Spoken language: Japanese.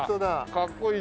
かっこいい。